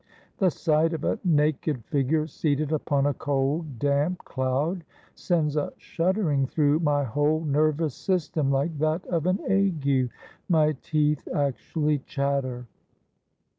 The sight of a naked figure, seated upon a cold, damp cloud, sends a shuddering through my whole nervous system like that of an ague; my teeth actually chatter."